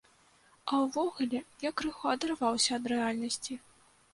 А ўвогуле я крыху адарваўся ад рэальнасці.